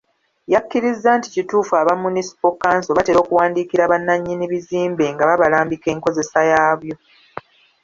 Yakkiriza nti kituufu aba Munisipo Kkanso batera okuwandiikira bannannyini bizimbe nga babalambike enkozesa yaabyo.